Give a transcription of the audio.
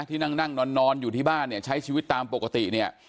ที่นั่งนั่งนอนอยู่ที่บ้านเนี่ยใช้ชีวิตตามปกติเนี่ย